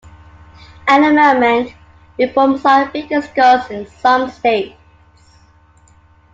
At the moment reforms are being discussed in some states.